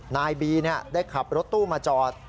นายบีได้ขับรถตู้มาจอด